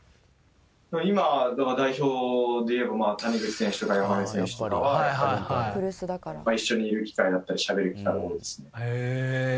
今の代表でいえば谷口選手とか山根選手とかは一緒にいる機会だったりしゃべる機会が多いですね。